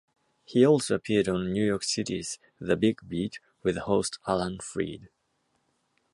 He also appeared on New York City's "The Big Beat" with host Alan Freed.